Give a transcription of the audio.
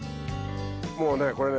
もうねこれね